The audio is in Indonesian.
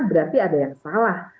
berarti ada yang salah